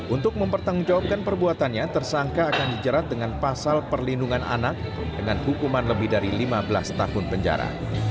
untuk mempertanggungjawabkan perbuatannya tersangka akan dijerat dengan pasal perlindungan anak dengan hukuman lebih dari lima belas tahun penjara